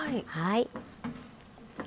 はい。